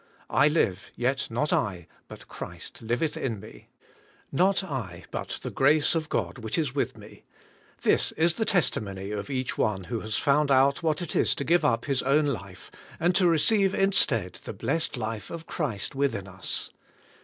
'I live, yet not I, but Christ liveth in me;' *Not I, but the grace of God which is with me:' this is the testimony of each one who has found out what it is to give up his own life, and to receive instead the blessed life of Christ within us.